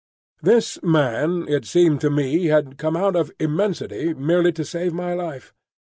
This man, it seemed to me, had come out of Immensity merely to save my life.